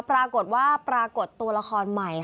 ปรากฏว่าปรากฏตัวละครใหม่